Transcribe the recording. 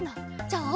じゃああ